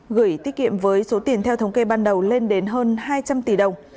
gửi tiết kiệm với số tiền theo thống kê ban đầu lên đến hơn hai trăm linh tỷ đồng